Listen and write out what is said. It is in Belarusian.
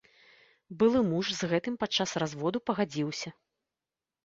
Былы муж з гэтым падчас разводу пагадзіўся.